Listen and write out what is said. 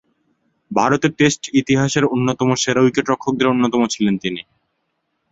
ভারতের টেস্ট ইতিহাসের অন্যতম সেরা উইকেট-রক্ষকদের অন্যতম ছিলেন তিনি।